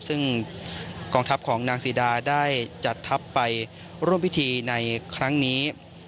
ซึ่งกองทัพของนางซีดาได้จัดทัพไปร่วมพิธีในครั้งนี้